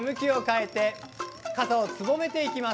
傘をすぼめていきます。